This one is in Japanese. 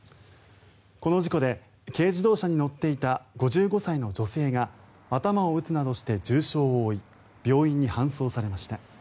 この事故で軽自動車に乗っていた５５歳の女性が頭を打つなどして重傷を負い病院に搬送されました。